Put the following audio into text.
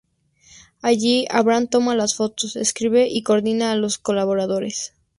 Allí Abraham, toma las fotos, escribe y coordina a los colaboradores.